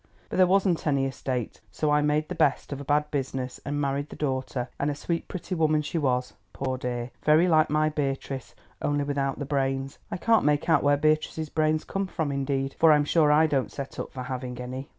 But there wasn't any estate, so I made the best of a bad business and married the daughter, and a sweet pretty woman she was, poor dear, very like my Beatrice, only without the brains. I can't make out where Beatrice's brains come from indeed, for I am sure I don't set up for having any.